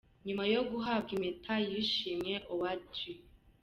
Nyuma yo guhabwa impeta y’ishimwe, Howadi Gi.